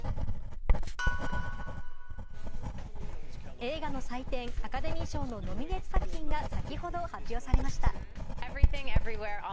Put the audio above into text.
映画の祭典アカデミー賞のノミネート作品が先ほど発表されました。